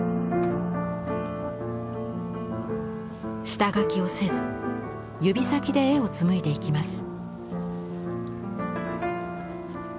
下書きをせず指先で絵を紡いでいきます。